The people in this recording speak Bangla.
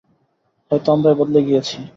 হয়তো আমরাই বদলে গিয়েছি।